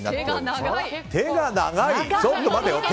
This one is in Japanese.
手が長い！